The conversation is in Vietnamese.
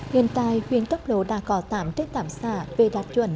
hiện tại huyện câm lộ đã có tạm triết tạm xã về đạt chuẩn